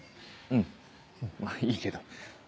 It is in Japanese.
うんまぁいいけど。